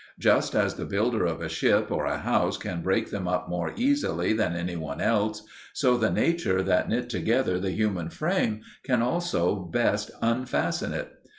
Just as the builder of a ship or a house can break them up more easily than any one else, so the nature that knit together the human frame can also best unfasten it.